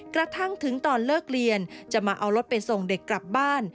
กระทั่งถึงตอนเลิกเรียนจะมาเอารถไปส่งเด็กกลับบ้าน